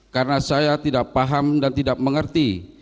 karena saya tidak paham dan tidak mengerti